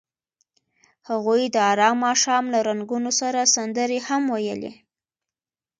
هغوی د آرام ماښام له رنګونو سره سندرې هم ویلې.